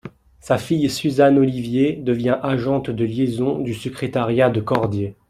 Sa fille Suzanne Olivier devient agente de liaison du secrétariat de Cordier.